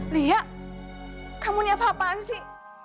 lia kamu ini apa apaan sih